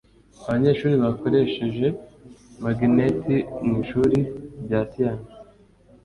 Abanyeshuri bakoresheje magneti mu ishuri rya siyanse.